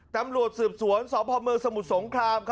ตำรวจสืบสวนสพเมืองสมุทรสงคราม